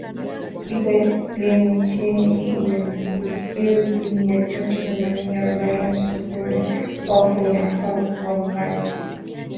jiko lenye chenye nyuzijoto mia tatu themanini arobaini sifuri oF linafaa kuoka mkate